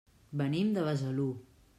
Venim de Besalú.